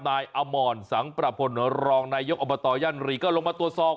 นายอมรสังประพลรองนายกอบตย่านรีก็ลงมาตรวจสอบ